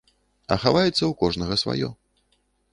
А хаваецца ў кожнага сваё.